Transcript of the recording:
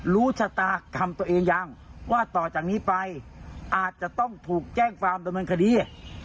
รู้ชะตากรรมตัวเองยังว่าต่อจากนี้ไปอาจจะต้องถูกแจ้งความดำเนินคดี